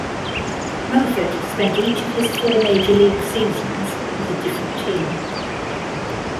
Moford spent each of his four major league seasons with a different team.